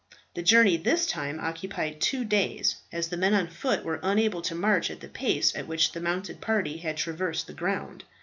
The journey this time occupied two days, as the men on foot were unable to march at the pace at which the mounted party had traversed the ground.